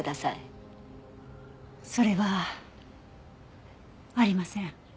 それはありません。